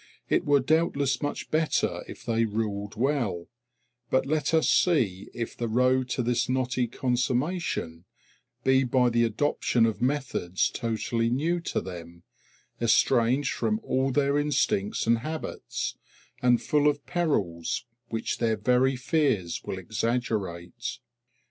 It were doubtless much better if they ruled well; but let us see if the road to this knotty consummation be by the adoption of methods totally new to them, estranged from all their instincts and habits, and full of perils which their very fears will exaggerate.